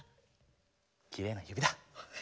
きれいな指だ。